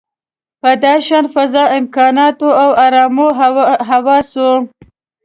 په داشان فضا، امکاناتو او ارامو حواسو.